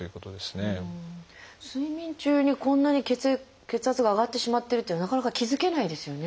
睡眠中にこんなに血圧が上がってしまってるっていうのはなかなか気付けないですよね。